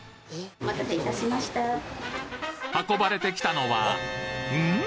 運ばれてきたのはうん！？